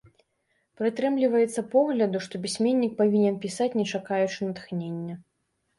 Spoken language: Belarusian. Прытрымліваецца погляду, што пісьменнік павінен пісаць не чакаючы натхнення.